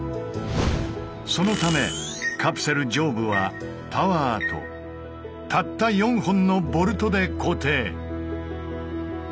そのためカプセル上部はタワーとたった４本のボルトで固定。